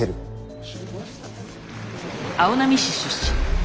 青波市出身。